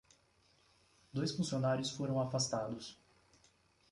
Dois funcionários foram afastados